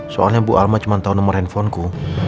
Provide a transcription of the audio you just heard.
soalnya ibu alma cuma tau nomor handphone ku